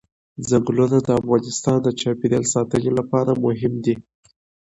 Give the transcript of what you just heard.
چنګلونه د افغانستان د چاپیریال ساتنې لپاره مهم دي.